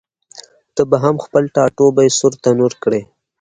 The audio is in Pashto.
ته به هم خپل ټاټوبی سور تنور کړې؟